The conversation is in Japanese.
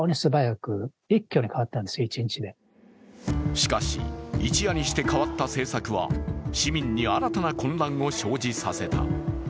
しかし、一夜にして変わった政策は市民に新たな混乱を生じさせた。